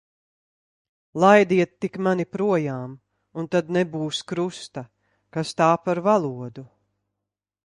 Laidiet tik mani projām, un tad nebūs krusta. Kas tā par valodu!